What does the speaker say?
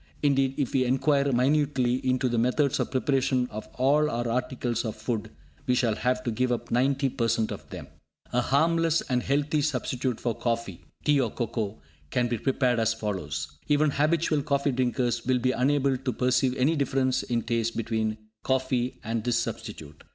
Indeed, if we enquire minutely into the methods of preparation of all our articles of food, we shall have to give up 90% of them! A harmless and healthy substitute for coffee (tea or cocoa) can be prepared as follows. Even habitual coffee drinkers will be unable to perceive any difference in taste between coffee and this substitute.